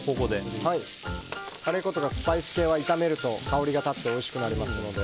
カレー粉とかスパイス系は炒めると香りが立っておいしくなりますので。